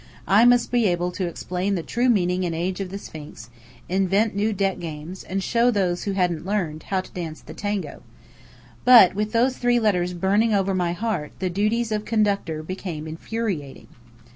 I must be able to explain the true meaning and age of the Sphinx; invent new deck games; and show those who hadn't learned, how to dance the Tango. But with those three letters burning over my heart the duties of conductor became infuriating.